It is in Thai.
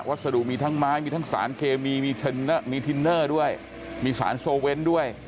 สดุมีทั้งไม้มีทั้งสารเคมีมีทินเนอร์ด้วยมีสารโซเวนต์ด้วย